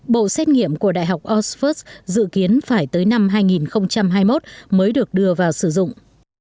bộ xét nghiệm của đại học oxford dự kiến phải tới năm hai nghìn hai mươi một mới được đưa vào sử dụng